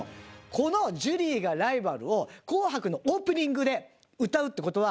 この『ジュリーがライバル』を『紅白』のオープニングで歌うっていう事は。